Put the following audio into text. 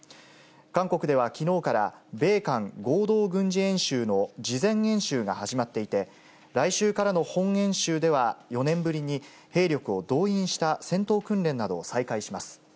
韓国ではきのうから、米韓合同軍事演習の事前演習が始まっていて、来週からの本演習では、４年ぶりに兵力を動員した戦闘訓練などを再開します。